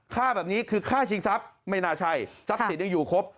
ฆ่าแบบนี้คือฆ่าชิงทรัพย์ไม่น่าใช่ทรัพย์สินยังอยู่ครบ